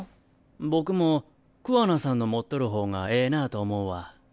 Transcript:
僕も桑名さんの持っとる方がええなと思うわ。